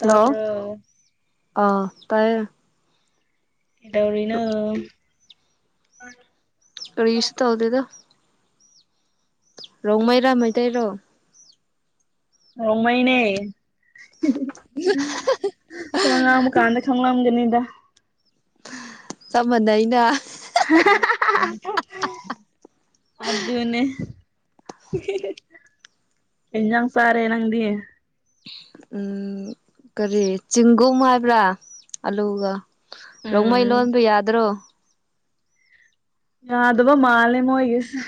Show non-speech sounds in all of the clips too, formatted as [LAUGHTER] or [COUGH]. Hello ꯑꯥ ꯇꯥꯏꯌꯦ ꯀꯩꯗꯧꯔꯤꯅꯣ ꯀꯔꯤꯁꯨ ꯇꯧꯗꯦꯗ ꯔꯣꯡ ꯃꯩꯔꯥ ꯃꯩꯇꯩꯔꯣ ꯔꯃꯥꯏꯅꯦ ꯍ ꯉꯥꯡꯕ ꯀꯥꯟꯗ ꯈꯪꯂꯝꯒꯅꯤꯗ ꯆꯞ ꯃꯥꯟꯅꯩꯅ [INAUDIBLE] ꯑꯗꯨꯅꯦ [UNINTELLIGIBLE] ꯍꯖꯥꯡ ꯁꯥꯔꯦ ꯅꯪꯗꯤꯦ ꯎ ꯀꯔꯤ ꯆꯤꯡꯒꯨꯝ ꯍꯥꯏꯕ꯭ꯔꯥ ꯑꯂꯨꯒ ꯔꯣꯡꯃꯩ ꯎꯝ ꯂꯣꯟꯕ ꯌꯥꯗ꯭ꯔꯣ ꯌꯥꯗꯕ ꯃꯥꯜꯂꯦ ꯃꯣꯏꯒꯤꯁꯨ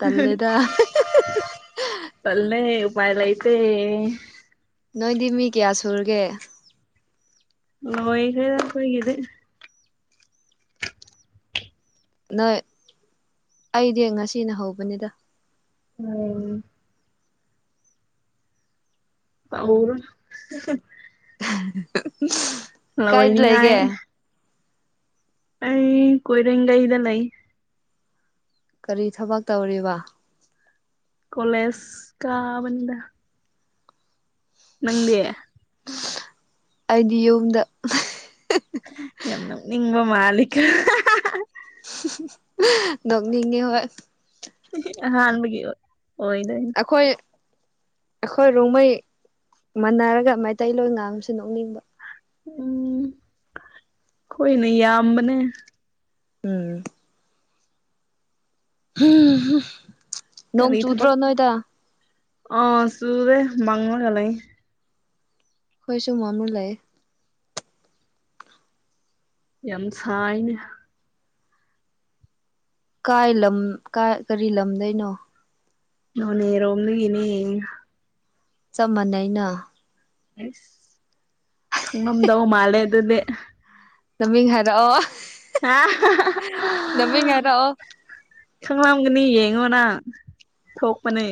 ꯇꯜꯂꯦꯗ ꯇꯜꯂꯦ ꯎꯄꯥꯏ ꯂꯩꯇꯦ ꯅꯣꯏꯗꯤ ꯃꯤ ꯀꯌꯥ ꯁꯨꯔꯒꯦ ꯂꯣꯏꯒ꯭ꯔꯦꯗ ꯑꯩꯈꯣꯏꯒꯤꯗꯤ꯫ ꯅꯣꯏ ꯑꯩꯗꯤ ꯉꯁꯤꯅ ꯍꯧꯕꯅꯤꯗ ꯎ [UNINTELLIGIBLE] [INAUDIBLE] ꯂꯣꯏꯅꯤꯡꯉꯥꯏ ꯂꯩꯒꯦ ꯑꯩ ꯀꯣꯏꯔꯒꯥ ꯏꯗ ꯂꯩꯥꯏ ꯀꯔꯤ ꯊꯕꯛ ꯇꯧꯔꯤꯕ ꯀꯣꯂꯦꯖ ꯀꯥꯕꯅꯤꯗ꯫ ꯅꯪꯗꯤ ꯑꯩꯗꯤ ꯌꯨꯝꯗ ꯌꯥꯝ ꯅꯣꯛꯅꯤꯡꯕ ꯃꯥꯜꯂꯤꯀꯣ ꯗꯅꯤꯦ ꯍ ꯍꯥꯃꯒꯤ ꯍꯣꯏꯗꯣꯏ ꯑꯩꯈꯣꯏ ꯑꯩꯈꯣꯏ ꯔꯣꯡꯃꯩ ꯃꯥꯟꯅꯔꯒ ꯃꯩꯇꯩꯂꯣꯟ ꯉꯥꯡꯕꯁꯦ ꯅꯣꯛꯅꯤꯡꯕ ꯎꯝ ꯍꯣꯏꯅꯦ ꯌꯥꯝꯕꯅꯦ ꯎꯝ ꯍꯝ ꯀꯔꯤ ꯊꯕꯛ ꯑ ꯁꯗꯦ ꯃꯉꯒꯂ ꯍꯣꯏ ꯁꯨꯝꯃꯨ ꯂꯩꯑꯌꯦ ꯌꯥꯝꯁꯥꯏꯅ ꯀꯥꯏ ꯂꯝ ꯀ ꯀꯔꯤ ꯂꯝꯗꯅꯣ ꯅꯅꯦꯔꯣꯝꯗꯤꯒꯅꯤ ꯆꯞ ꯃꯥꯟꯅꯩꯅ ꯑꯁ ꯈꯪꯉꯝꯗꯧ ꯃꯥꯜꯂꯦ ꯑꯗꯨꯗꯤ ꯇꯃꯤ ꯍꯥꯏꯔꯑꯣ ꯑ ꯍꯥꯏꯔꯛꯑꯣ ꯈꯪꯂꯝꯒꯅꯤ ꯌꯦꯡꯉꯣꯅ ꯊꯣꯛꯄꯅꯦ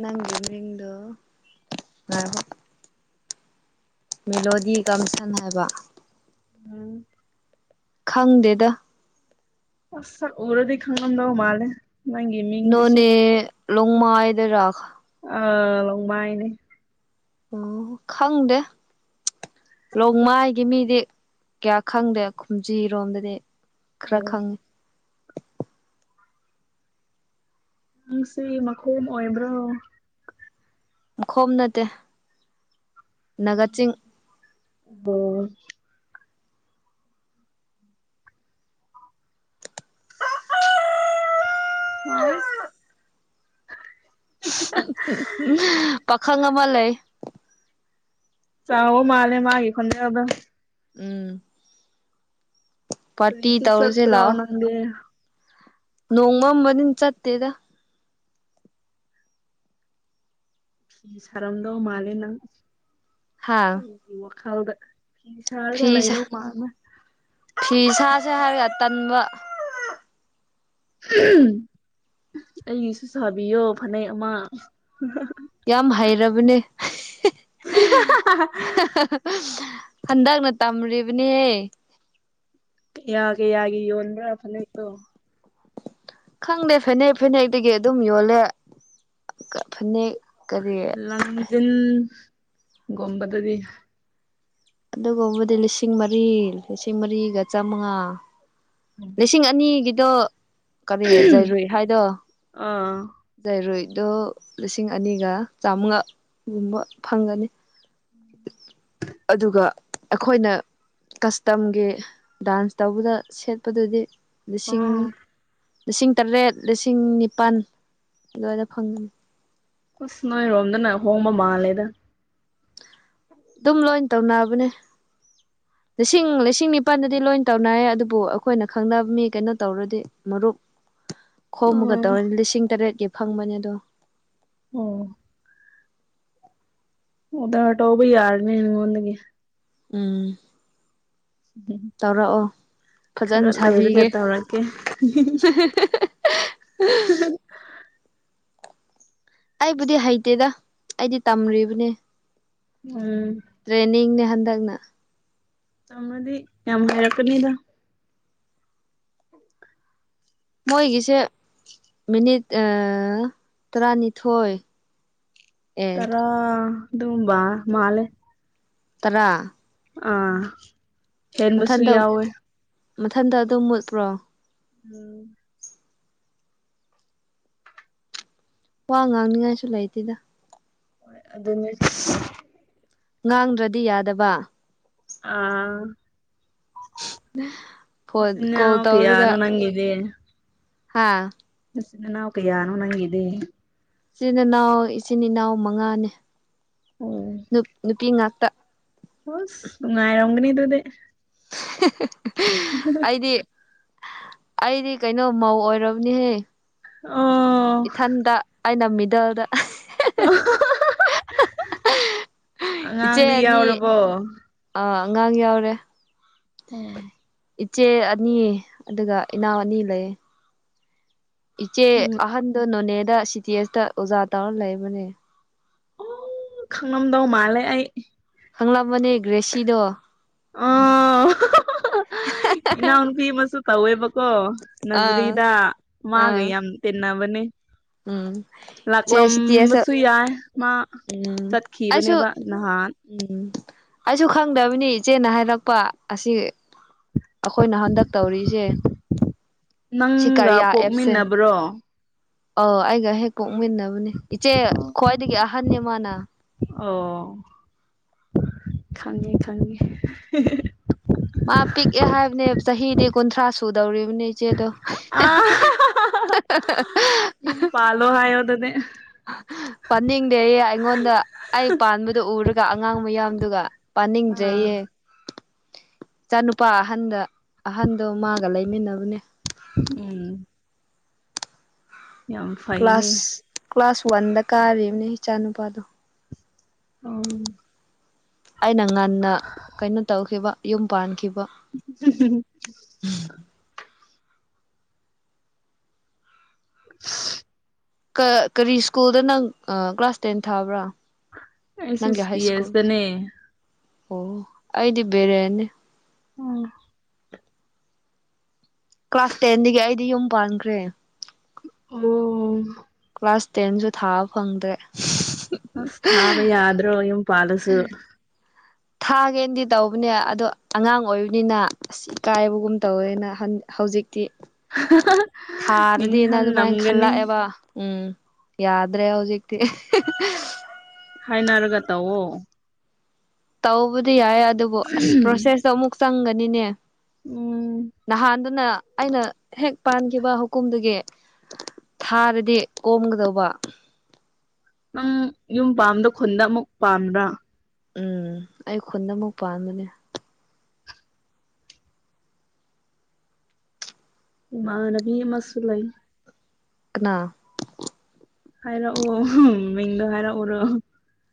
ꯅꯪꯒꯤ ꯃꯤꯔꯤꯡꯗꯣ ꯃꯦꯂꯣꯗꯤ ꯀꯥꯡꯪꯁꯟ ꯍꯥꯏꯕ ꯎꯝ ꯈꯪꯗꯦꯗ ꯑꯁ ꯁꯛ ꯎꯔꯗꯤ ꯈꯪꯡꯉꯝꯗꯧ ꯃꯥꯂꯦ꯫ ꯅꯪꯒꯤꯃꯤ ꯅꯣꯅꯦ ꯂꯣꯡꯃꯥꯢ ꯗꯩꯔꯥ ꯑ ꯂꯣꯡꯃꯥꯏꯅꯦ ꯑꯣ ꯈꯪꯗꯦ ꯂꯣꯡꯃꯥꯏꯒꯤ ꯃꯤꯗꯤ ꯀꯌꯥ ꯈꯪꯗꯦ ꯈꯨꯝꯖꯤꯔꯣꯝꯗꯗꯤ ꯑꯣ ꯈꯔ ꯈꯪꯉꯤ ꯅꯪꯁꯤ ꯃꯈꯣꯝ ꯑꯣꯏꯕ꯭ꯔꯣ ꯈꯣꯝ ꯅꯠꯇꯦ ꯅꯒꯥ ꯆꯤꯡ ꯑꯣ ꯋꯥꯏ [INAUDIBLE] ꯄꯥꯈꯪ ꯑꯃ ꯂꯩ ꯆꯎ ꯃꯥꯂꯦ ꯃꯥꯒꯤ ꯈꯣꯟꯖꯦꯟꯗꯣ ꯎꯝ ꯄꯥꯔꯇꯤ ꯀꯔꯤꯁꯤ ꯇꯧꯔꯁꯦ ꯁꯠꯇ꯭ꯔꯣ ꯂꯥꯛꯑꯣ ꯅꯪꯗꯤ ꯅꯣꯡꯃꯝꯕꯅꯤꯅ ꯆꯠꯇꯦꯗ ꯁꯥꯔꯝꯗꯧ ꯃꯥꯜꯂꯦ ꯅꯪ ꯍꯥ ꯑꯩꯒꯤ ꯋꯥꯈꯜꯗ ꯁꯔꯥꯒ ꯐꯤ ꯁꯥ ꯂꯩꯗꯧ ꯃꯜꯂꯦ ꯐꯤ ꯁꯥꯁꯦ ꯇꯟꯕ ꯑꯩꯒꯤꯁꯨ ꯁꯥꯕꯤꯌꯣ ꯐꯅꯦꯛ ꯑꯃ ꯌꯥꯝ ꯍꯩꯔꯕꯅꯦ [UNINTELLIGIBLE] ꯍꯟꯗꯛꯅ ꯇꯝꯔꯤꯕꯅꯦ ꯀꯌꯥ ꯀꯌꯥꯒꯤ ꯌꯣꯟꯕꯔꯥ ꯐꯅꯦꯛꯇꯣ ꯈꯪꯗꯦ ꯐꯅꯦꯛ ꯐꯅꯦꯛꯇꯒꯤ ꯑꯗꯨꯝ ꯌꯣꯜꯂꯦ ꯐꯅꯦꯛ ꯀꯔꯤ ꯂꯥꯡꯖꯤꯟꯒꯨꯝꯕꯗꯗꯤ ꯑꯗꯨꯒꯨꯝꯕꯗꯤ ꯂꯤꯁꯤꯡ ꯃꯔꯤ ꯂꯤꯁꯤꯡ ꯃꯔꯤꯒ ꯆꯥꯃꯉꯥ ꯂꯤꯁꯤꯡ ꯑꯅꯤꯒꯤꯗꯣ ꯀꯔꯤ ꯖꯩꯔꯨꯏ ꯍꯥꯏꯗꯣ ꯑꯥ ꯖꯔꯨꯏꯗꯣ ꯂꯤꯁꯤꯡ ꯑꯅꯤꯒ ꯆꯥꯃꯉꯥꯒꯨꯝꯕ ꯐꯪꯒꯅꯤ ꯑꯗꯨꯒ ꯑꯩꯈꯣꯏꯅ ꯀꯁꯇꯝꯒꯤ ꯗꯥꯟꯁ ꯇꯧꯕꯗ ꯁꯦꯠꯄꯗꯨꯗꯤ ꯂꯤꯁꯤꯡ ꯑꯥ ꯂꯤꯁꯤꯡ ꯇꯔꯦꯠ ꯂꯤꯁꯤꯡ ꯅꯤꯄꯥꯜ ꯑꯗꯨꯋꯥꯏꯗ ꯐꯪꯒꯅꯤ ꯑꯁ ꯅꯣꯏꯔꯣꯝꯗꯅ ꯍꯣꯡꯕ ꯃꯥꯜꯂꯦꯗ ꯑꯗꯨꯝ ꯂꯣꯏ ꯇꯧꯅꯕꯅꯦ ꯂꯤꯁꯤꯡ ꯂꯤꯁꯤꯡ ꯅꯤꯄꯥꯜꯗꯗꯤ ꯂꯣꯏ ꯇꯧꯅꯔꯌꯦ ꯑꯗꯨꯕꯨ ꯑꯩꯈꯣꯏꯅ ꯈꯪꯅꯕ ꯃꯤ ꯀꯩꯅꯣ ꯇꯧꯔꯗꯤ ꯃꯔꯨꯞ ꯈꯣꯝꯃꯒ ꯑꯥ ꯇꯧꯔꯗꯤ ꯂꯤꯁꯤꯡ ꯇꯔꯦꯠꯀꯤ ꯐꯪꯕꯅꯤ ꯑꯗꯣ꯫ ꯑꯣ ꯑꯣꯔꯗꯔ ꯇꯧꯕ ꯌꯥꯔꯅꯤ ꯑꯩꯉꯣꯟꯗꯒꯤ ꯎꯝ ꯇꯧꯔꯛꯑꯣ ꯈꯔ ꯐꯖꯅ ꯂꯩꯔꯒ ꯁꯥꯕꯤꯒꯦ ꯇꯧꯔꯛꯀꯦ [UNINTELLIGIBLE] ꯑꯩꯕꯨꯗꯤ ꯍꯩꯇꯦꯗ ꯑꯩꯗꯤ ꯇꯝꯔꯤꯕꯅꯦ ꯎꯝ ꯇ꯭ꯔꯦꯅꯤꯡꯅꯦ ꯍꯟꯗꯛꯅ ꯇꯝꯃꯗꯤ ꯌꯥꯝ ꯍꯩꯔꯛꯀꯅꯤꯗ ꯃꯣꯏꯒꯤꯁꯦ ꯃꯤꯅꯤꯠ ꯑ ꯇꯔꯥꯅꯤꯊꯣꯏ ꯑꯦ ꯇꯔꯥ ꯑꯗꯨꯝꯕ ꯃꯥꯜꯂꯦ ꯇꯔꯥ ꯑꯥ ꯍꯦꯟꯕꯁꯨ ꯃꯊꯟꯗ ꯌꯥꯎꯋꯦ ꯃꯊꯟꯗ ꯑꯗꯨꯝ ꯃꯨꯠꯄ꯭ꯔꯣ ꯎꯝ ꯋꯥ ꯉꯥꯡꯅꯤꯉꯥꯏꯁꯨ ꯂꯩꯇꯦꯗ ꯍꯣꯏ ꯑꯗꯨꯅꯦ ꯉꯥꯡꯗ꯭ꯔꯗꯤ ꯌꯥꯗꯕ ꯑ ꯐꯣꯟ ꯏꯆꯤꯟ ꯀꯣꯜ ꯅꯥꯎ ꯀꯌꯥꯅꯣ ꯅꯪꯒꯤ ꯗꯦ ꯍꯥꯥ ꯅꯆꯤꯟ ꯅꯅꯥꯎ ꯀꯌꯥꯅꯣ ꯅꯪꯒꯤꯗꯤ ꯏꯆꯤꯟ ꯏꯅꯥꯎ ꯏꯆꯤꯟ ꯏꯅꯥꯎ ꯃꯉꯥꯅꯦ ꯎꯝ ꯅꯨꯞ ꯅꯨꯄꯤ ꯉꯥꯛꯇ ꯍꯁ ꯅꯨꯉꯥꯏꯔꯝꯒꯅꯤ ꯗꯨꯗꯤ ꯑꯩꯗꯤ ꯑꯩꯗꯤ ꯀꯩꯅꯣ ꯃꯧ ꯑꯣꯏꯔꯕꯅꯦꯍꯦ ꯑꯣ ꯏꯊꯟꯗ ꯑꯩꯅ ꯃꯤꯗꯜꯗ [UNINTELLIGIBLE] ꯏꯆꯦ ꯑꯉꯥꯡꯗꯤ ꯑꯅꯤ ꯌꯥꯎꯔꯕꯣ ꯑ ꯑꯉꯥꯡ ꯌꯥꯎꯔꯦ ꯎꯝ ꯏꯆꯦ ꯑꯅꯤ ꯑꯗꯨꯒ ꯏꯅꯥꯎ ꯑꯅꯤ ꯂꯩ ꯏꯆꯦ ꯑꯍꯟꯗꯣ ꯅꯣꯅꯦꯗ ꯁꯤ ꯇꯤ ꯑꯦꯁꯇ ꯑꯣꯖꯥ ꯇꯧꯔ ꯂꯩꯕꯅꯦ ꯑꯣ ꯈꯪꯂꯝꯗꯧ ꯃꯥꯂꯦ ꯑꯩ ꯈꯪꯂꯝꯃꯅꯦ ꯒ꯭ꯔꯦꯁꯤꯗꯣ ꯑꯣ ꯏꯅꯥꯎ ꯅꯨꯄꯤ ꯑꯃꯁꯨ ꯇꯧꯋꯦꯕꯀꯣ ꯑꯥ ꯅꯖꯔꯤꯗ ꯃꯥꯒ ꯑꯥ ꯌꯥꯝ ꯇꯤꯟꯅꯕꯅꯦ ꯎꯝ ꯆꯦ ꯁꯤ ꯇꯤ ꯑꯦꯁ ꯂꯥꯛꯂꯝꯕꯁꯨ ꯌꯥꯏ ꯃꯥ ꯎꯝ ꯑꯩꯁꯨ ꯆꯠꯈꯤꯕꯅꯦꯕ ꯅꯍꯥꯟ ꯎꯝ ꯑꯩꯁꯨ ꯈꯪꯗꯕꯅꯤ ꯏꯆꯦꯅ ꯍꯥꯏꯔꯛꯄ ꯑꯁꯤ ꯑꯩꯈꯣꯏꯅ ꯍꯟꯗꯛ ꯇꯧꯔꯤꯁꯦ ꯁꯤ ꯀꯔꯤꯌꯥ ꯑꯦꯞꯁꯦ ꯄꯨꯔꯣ ꯑꯧ ꯑꯩꯒ ꯍꯦꯛ ꯄꯣꯛꯃꯤꯟꯅꯕꯅꯦ ꯏꯆꯦ ꯈ꯭ꯋꯥꯏꯗꯒꯤ ꯑꯍꯟꯅꯦ ꯃꯥꯅ ꯑꯣ ꯈꯪꯉꯦ ꯈꯪꯉꯦ ꯃꯥ ꯄꯤꯛꯑꯦ ꯍꯥꯏꯕꯅꯦ ꯆꯍꯤꯗꯤ ꯀꯨꯟꯊ꯭ꯔꯥ ꯁꯨꯗꯧꯔꯤꯕꯅꯤ ꯆꯦꯗꯣ ꯑꯥ ꯌꯨꯝ ꯄꯥꯂꯣ ꯍꯥꯏꯌꯣ ꯑꯗꯨꯗꯤ ꯄꯥꯅꯤꯡꯗꯦꯌꯦ ꯑꯩꯉꯣꯟꯗ ꯑꯩ ꯄꯥꯟꯕꯗꯨ ꯎꯔꯒ ꯑꯉꯥꯡ ꯃꯌꯥꯝꯗꯨꯒ ꯑꯥ ꯄꯥꯟꯅꯤꯡꯗ꯭ꯔꯦꯌꯦ ꯏꯆꯥꯅꯨꯄꯥ ꯑꯍꯟꯗ ꯑꯍꯟꯗꯣ ꯃꯥꯒ ꯂꯩꯃꯤꯟꯅꯕꯅꯦ ꯎꯝ ꯌꯥꯝ ꯐꯩꯅꯦ ꯀ꯭ꯂꯥꯁ ꯀ꯭ꯂꯥꯁ ꯋꯥꯟꯗ ꯀꯥꯔꯤꯕꯅꯤ ꯏꯆꯥ ꯅꯨꯨꯄꯥꯗꯣ ꯑꯧ ꯑꯩꯅ ꯉꯟꯅ ꯀꯩꯅꯣ ꯇꯧꯈꯤꯕ ꯌꯨꯝ ꯄꯥꯟꯈꯤꯕ ꯍꯝ ꯍꯝ [INAUDIBLE] ꯀ ꯀꯔꯤ ꯁ꯭ꯀꯨꯜꯗ ꯅꯪ ꯑ ꯀ꯭ꯂꯥꯁ ꯇꯦꯟ ꯊꯥꯕ꯭ꯔꯥ ꯑꯩꯁꯨ ꯅꯪꯒꯤ ꯁꯤ ꯍꯥꯏ ꯁ꯭ꯀꯨꯜ ꯑꯦꯁꯇꯅꯦ ꯑꯣ ꯑꯩꯗꯤ ꯕꯦꯔꯦꯟꯅꯦ ꯎꯝ ꯀ꯭ꯂꯥꯁ ꯇꯦꯟꯗꯒꯤ ꯑꯩꯗꯤ ꯌꯨꯝ ꯄꯥꯟꯈ꯭ꯔꯦ ꯑꯣ ꯀ꯭ꯂꯥꯁ ꯇꯦꯟꯁꯨ ꯊꯥꯕ ꯐꯪꯗ꯭ꯔꯦ ꯑꯁ ꯊꯥꯕ ꯌꯥꯗ꯭ꯔꯣ ꯌꯨꯝ ꯄꯥꯜꯂꯁꯨ [UNINTELLIGIBLE] ꯊꯥꯒꯦꯅꯗꯤ ꯇꯧꯕꯅꯦ ꯑꯗꯣ ꯑꯉꯥꯡ ꯑꯣꯏꯕꯅꯤꯅ ꯑꯁ ꯏꯀꯥꯏꯕꯒꯨꯝ ꯇꯧꯋꯦꯅ ꯍꯧꯖꯤꯛ ꯏ ꯊꯥꯔꯗꯤꯅ ꯑꯗꯨꯃꯥꯏꯅ ꯅꯤꯡꯍꯜꯂꯝꯒꯅꯤ ꯈꯜꯂꯛꯑꯦꯕ ꯎꯝ ꯌꯥꯗ꯭ꯔꯦ ꯍꯧꯖꯤꯛꯇꯤ ꯍꯥꯏꯅꯔꯒ ꯇꯧꯋꯣ ꯇꯧꯕꯗꯤ ꯌꯥꯏ ꯑꯗꯨꯕꯨ ꯑꯁ ꯄ꯭ꯔꯣꯁꯦꯁꯇꯣ ꯑꯃꯨꯛ ꯆꯪꯒꯅꯤꯅꯦ ꯎꯝ ꯅꯍꯥꯟꯗꯨꯅ ꯑꯩꯅ ꯍꯦꯛ ꯄꯥꯟꯈꯤꯕ ꯍꯀꯨꯝꯗꯨꯒꯤ ꯊꯥꯔꯗꯤ ꯀꯣꯝꯒꯗꯧꯕ ꯅꯪ ꯌꯨꯝ ꯄꯥꯝꯕꯗꯣ ꯈꯨꯟꯗ ꯑꯃꯨꯛ ꯄꯥꯝꯕ꯭ꯔꯥ ꯎꯝ ꯑꯩ ꯈꯨꯟꯗ ꯑꯃꯨꯛ ꯄꯥꯟꯕꯅꯦ ꯏꯃꯥꯟꯅꯕꯤ ꯑꯃꯁꯨ ꯂꯩ ꯀꯅꯥ ꯍꯥꯏꯔꯛꯎꯑꯣ ꯃꯤꯡꯗꯣ ꯍꯥꯏꯔꯛꯎꯔꯣ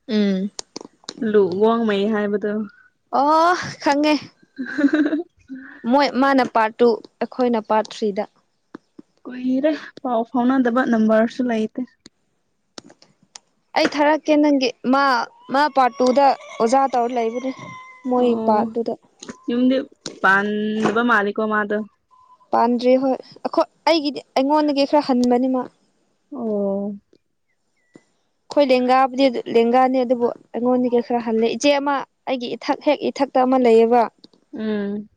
ꯎꯝ ꯂꯨ ꯋꯣꯡꯃꯩ ꯍꯥꯏꯕꯗꯨ ꯑꯣ ꯈꯪꯉꯦ [UNINTELLIGIBLE] ꯃꯣꯏ ꯃꯥꯅ ꯄꯥꯔꯠ ꯇꯨ ꯑꯩꯈꯣꯏꯅ ꯄꯥꯔꯠ ꯊ꯭ꯔꯤꯗ ꯀꯨꯏꯔꯦ ꯄꯥꯎ ꯐꯥꯎꯅꯗꯕ ꯅꯝꯕꯔꯁꯨ ꯂꯩꯥꯇꯦ [INAUDIBLE] ꯑꯩ ꯊꯥꯔꯛꯀꯦ ꯅꯪꯒꯤ ꯃꯥ ꯃꯥ ꯄꯥꯔꯠ ꯇꯨꯗ ꯑꯣꯖꯥ ꯇꯧꯔ ꯂꯩꯕꯅꯦ ꯃꯣꯏ ꯑꯣ ꯄꯥꯠꯇꯨꯗ ꯌꯨꯝꯗꯤ ꯄꯥꯟꯕ ꯃꯥꯂꯤꯛꯣ ꯃꯥꯗꯣ ꯄꯥꯟꯗ꯭ꯔꯤ ꯍꯣꯏ ꯑꯩꯈꯣꯏ ꯑꯩꯒꯤꯗꯤ ꯑꯩꯉꯣꯟꯗꯒꯤ ꯈꯔ ꯍꯟꯕꯅꯤ ꯃꯥ ꯑꯣ ꯑꯩꯈꯣꯏ ꯂꯦꯡꯒꯥꯕꯨꯗꯤ ꯑꯗꯨ ꯂꯦꯡꯒꯥꯅꯤ ꯑꯗꯨꯕꯨ ꯑꯩꯉꯣꯟꯗꯒꯤ ꯈꯔ ꯍꯜꯂꯦ ꯏꯆꯦ ꯑꯃ ꯑꯩꯒꯤ ꯏꯊꯛ ꯍꯦꯛ ꯏꯊꯛ ꯇ ꯑꯃ ꯂꯩꯌꯦꯕ ꯎꯝ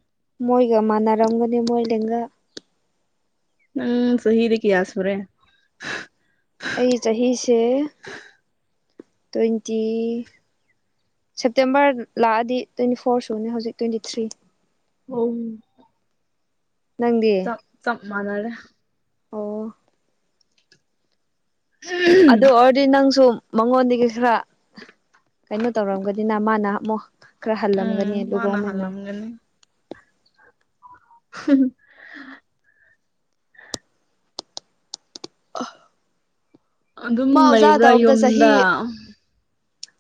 ꯃꯣꯏꯒ ꯃꯥꯟꯅꯔꯝꯒꯅꯤ ꯃꯣꯏ ꯂꯦꯡꯒ ꯎꯪ ꯁꯍꯤꯗ ꯀꯌꯥ ꯁꯨꯔꯦ ꯑꯩ ꯆꯍꯤꯁꯦ ꯇ꯭ꯋꯦꯟꯇꯤ ꯁꯦꯞꯇꯦꯝꯕꯔ ꯂꯥꯛꯑꯗꯤ ꯇ꯭ꯋꯦꯟꯇꯤ ꯐꯣꯔ ꯁꯨꯅꯦ ꯍꯧꯖꯤꯛ ꯇ꯭ꯋꯦꯟꯇꯤ ꯊ꯭ꯔꯤ ꯑꯣ ꯅꯪꯗꯤ ꯆꯞ ꯆꯞ ꯃꯥꯟꯅꯔꯦ ꯑꯣ ꯑꯗꯨ ꯑꯣꯏꯔꯗꯤ ꯅꯪꯁꯨ ꯃꯉꯣꯟꯗꯒꯤ ꯈꯔ ꯀꯩꯅꯣ ꯇꯧꯔꯝꯒꯅꯤꯅ ꯃꯥꯅ ꯑꯃꯨꯛ ꯈꯔ ꯍꯜꯂꯝꯒꯅꯤ ꯎꯝ ꯃꯥꯅ ꯂꯨꯍꯣꯡꯉꯦꯅ [UNINTELLIGIBLE] [UNINTELLIGIBLE] ꯑ ꯑꯗꯨꯝ ꯃꯥ ꯑꯣꯖꯥ ꯂꯩꯕ꯭ꯔꯥ ꯇꯧꯕꯗꯣ ꯆꯍꯤ ꯌꯨꯝꯗ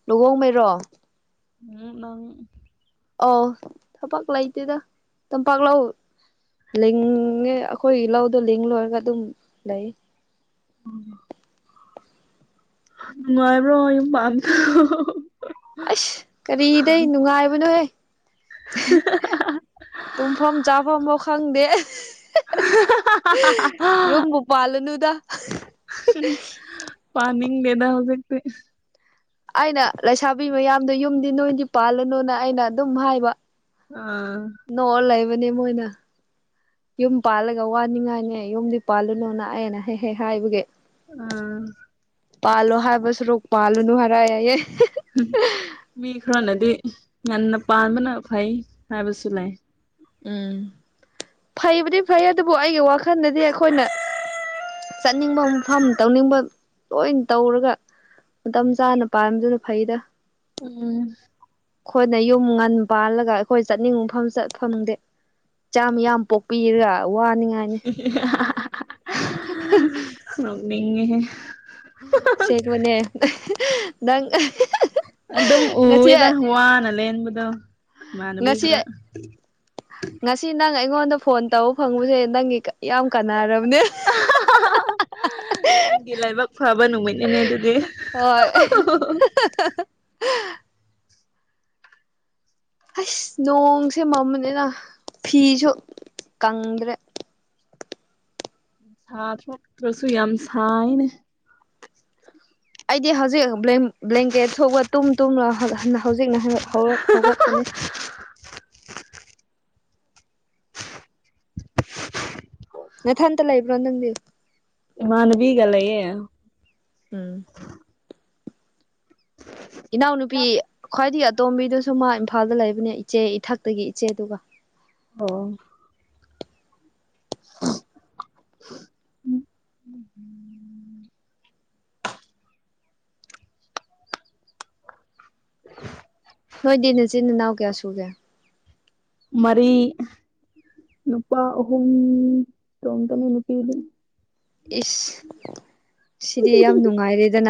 ꯂꯨꯍꯣꯡꯉꯩꯔꯣ ꯎꯝ ꯅꯪ ꯑ ꯊꯕꯛ ꯂꯩꯇꯦꯗ ꯇꯝꯄꯥꯛ ꯂꯧ ꯂꯤꯡꯉꯦ ꯑꯩꯈꯣꯏꯒꯤ ꯂꯧꯗꯣ ꯂꯤꯡ ꯂꯣꯏꯔꯒ ꯑꯗꯨꯝ ꯂꯩ ꯎꯝ ꯅꯨꯡꯉꯥꯏꯕ꯭ꯔꯣ ꯌꯨꯝ [UNINTELLIGIBLE] ꯑꯁ ꯀꯔꯤꯗꯩ ꯅꯨꯡꯉꯥꯏꯕꯅꯣꯍꯦ ꯇꯨꯝꯐꯝ ꯆꯥꯐꯝꯃ ꯈꯪꯗꯦ꯫ ꯌꯨꯝꯕꯨ ꯄꯥꯜꯂꯅꯨꯗ [UNINTELLIGIBLE] ꯄꯥ ꯅꯤꯡꯗꯦꯗꯥ ꯍꯧꯖꯤꯛꯇꯤ ꯑꯩꯅ ꯂꯩꯁꯥꯕꯤ ꯃꯌꯥꯝꯗꯣ ꯌꯨꯝꯗꯤ ꯅꯣꯏꯗꯤ ꯄꯥꯜꯂꯅꯨꯅ ꯑꯩꯅ ꯑꯗꯨꯝ ꯍꯥꯏꯕ ꯑꯥ ꯅꯣꯡ ꯂꯩꯕꯅꯦ ꯃꯣꯏꯅ ꯌꯨꯝ ꯄꯥꯜꯂꯒ ꯋꯥꯅꯤꯡꯉꯥꯏꯅꯦ ꯌꯨꯝꯗꯤ ꯄꯥꯜꯂꯨꯅꯨꯅ ꯑꯩꯅ ꯍꯦꯛ ꯍꯦꯛ ꯍꯥꯏꯕꯒꯤ꯫ ꯑ ꯄꯥꯜꯂꯣ ꯍꯥꯏꯕ ꯁꯔꯣꯛ ꯄꯥꯜꯂꯨꯅꯨ ꯍꯥꯏꯔꯌꯦ꯫ ꯃꯤ ꯈꯔꯅꯗꯤ ꯌꯥꯝꯟꯅ ꯄꯥꯟꯕꯅ ꯐꯩ ꯍꯥꯏꯕꯁꯨ ꯂꯩ꯫ ꯎꯝ ꯐꯩꯕꯨꯗꯤ ꯐꯩ ꯑꯗꯨꯕꯨ ꯑꯩꯒꯤ ꯋꯥꯈꯜꯗꯗꯤ ꯑꯩꯈꯣꯏꯅ ꯆꯠꯅꯤꯡꯕ ꯃꯐꯝ ꯇꯧꯅꯤꯡꯕ ꯂꯣꯏ ꯇꯧꯔꯒ ꯃꯇꯝ ꯆꯥꯅ ꯄꯥꯅꯕꯗꯨꯅ ꯐꯩꯗ ꯎꯝ ꯑꯩꯈꯣꯏꯅ ꯌꯨꯝ ꯉꯟ ꯄꯥꯜꯂꯒ ꯑꯩꯈꯣꯏ ꯆꯠꯅꯤꯡꯉꯐꯝ ꯆꯇ ꯐꯪꯗꯦ ꯆꯥꯝꯃ ꯌꯥꯝ ꯄꯣꯛꯄꯤꯔꯒ ꯋꯥꯅꯤꯡꯉꯥꯏ ꯅꯤꯡꯉꯥꯏ ꯅꯣꯀꯅꯤ ꯑꯍꯦ ꯑꯁꯦꯡꯕꯅꯦ ꯅꯪ ꯑꯗꯨꯝ ꯉꯁꯤ ꯎꯋꯦꯗ ꯋꯥꯅ ꯂꯦꯟꯕꯗꯣ ꯏꯃꯥꯟꯅꯕꯤ ꯉꯁꯤ ꯈꯔ ꯉꯁꯤ ꯅꯪ ꯑꯩꯉꯣꯟꯗ ꯐꯣꯟ ꯇꯧꯕ ꯐꯪꯕꯁꯦ ꯅꯪꯒꯤ ꯌꯥꯝ ꯀꯅꯥꯔꯕꯅꯦ꯫ ꯑꯩꯒꯤ ꯂꯥꯏꯕꯛ ꯐꯕ ꯅꯨꯃꯤꯠꯅꯤꯅꯦ ꯑꯗꯨꯗꯤ ꯍꯣꯏ ꯑꯁ ꯅꯣꯡꯁꯦ ꯃꯃꯅꯤꯅ ꯐꯤꯁꯨ ꯀꯪꯗ꯭ꯔꯦ꯫ ꯊ ꯊꯣꯛꯇꯔꯁꯨ ꯌꯥꯝ ꯁꯥꯏꯅꯦ꯫ ꯑꯩꯗꯤ ꯍꯧꯖꯤꯛ ꯕ꯭ꯂꯦꯡꯀꯦꯠ ꯊꯣꯛꯑꯒ ꯇꯨꯝ ꯇꯨꯝꯅ ꯍꯧꯖꯤꯛꯅ ꯍꯧꯒꯠꯇꯄꯨꯅꯦ꯫ ꯅꯊꯟꯇ ꯂꯩꯕ꯭ꯔꯣ ꯅꯪꯗꯤ꯫ ꯏꯃꯅꯕꯤꯒ ꯂꯩꯌꯦ꯫ ꯎꯝ ꯏꯅꯥꯎꯅꯨꯄꯤ ꯈ꯭ꯋꯥꯏꯗꯒꯤ ꯑꯇꯣꯝꯕꯤꯗꯨꯁꯨ ꯃꯥ ꯏꯝꯐꯥꯜꯗ ꯂꯩꯕꯅꯦ ꯏꯆꯦ ꯏꯊꯛꯇꯒꯤ ꯏꯆꯦꯗꯨꯒ ꯑꯣ [UNINTELLIGIBLE] ꯅꯣꯏꯗꯤ ꯅꯆꯤꯟ ꯏꯅꯥꯎ ꯀꯌꯥ ꯁꯨꯒꯦ꯫ ꯃꯔꯤ ꯅꯨꯄꯥ ꯑꯍꯨꯝ ꯇꯣꯡꯇꯅꯤ ꯅꯨꯄꯤꯗꯤ꯫ ꯏꯁ ꯁꯤꯗꯤ ꯌꯥꯝ ꯅꯨꯡꯉꯥꯏꯔꯦ꯫